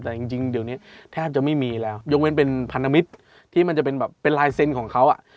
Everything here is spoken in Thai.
แต่จริงเดี๋ยวนี้แทบจะไม่มีแล้วยกเว้นเป็นพันธมิตรที่มันจะเป็นแบบเป็นลายเซ็นต์ของเขาอ่ะ